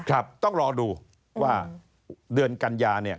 ครับต้องรอดูว่าเดือนกัญญาเนี่ย